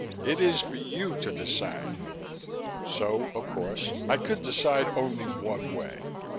It is for you to decide." So, of course, I could decide only one way.